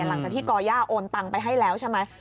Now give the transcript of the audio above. หลังจากที่ก่อย่าโอนตังไปให้แล้วใช่ไหม